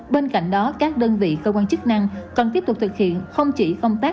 bên cạnh đó các đơn vị cơ quan chức năng còn tiếp tục thực hiện không chỉ công tác